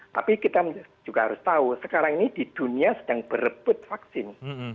tapi kita juga harus tahu sekarang ini di dunia sedang berebut vaksin